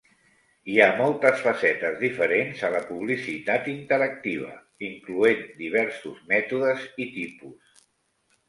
Hi ha moltes facetes diferents a la publicitat interactiva, incloent diversos mètodes i tipus.